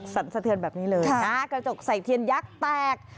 สันสะเทือนแบบนี้เลยนะกระจกใส่เทียนยักษ์แตก